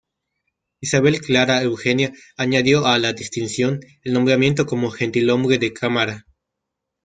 Isabel Clara Eugenia añadió a la distinción el nombramiento como gentilhombre de cámara.